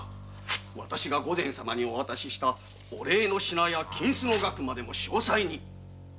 わたしが御前様にお渡ししたお礼の品や金子の額までも詳細に。